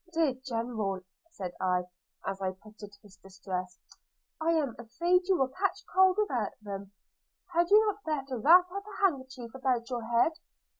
'Dear General.' said I, as I pitied his distress, 'I am afraid you will catch cold without them. Had you not better wrap a handkerchief about your head?